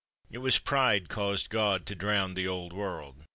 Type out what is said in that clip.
It was pride caused God to drown the old world.